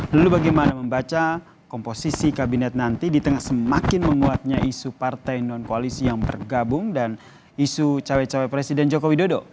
lalu bagaimana membaca komposisi kabinet nanti di tengah semakin menguatnya isu partai non koalisi yang bergabung dan isu cawe cawe presiden joko widodo